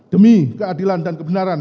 demi keadilan dan kebenaran